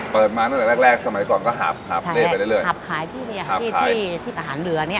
เปิดมาเนี่ยแรกสมัยก่อนก็หาบเล่ไปเรื่อยใช่หาบขายที่นี่ที่ทหารเรือเนี่ย